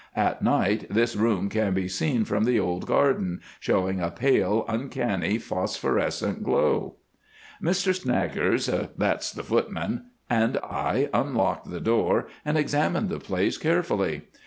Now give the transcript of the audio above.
At night this room can be seen from the old garden, showing a pale, uncanny, phosphorescent glow. "Mr Snaggers—that's the footman—and I unlocked the door and examined the place carefully.